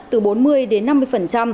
từ bốn mươi đến năm mươi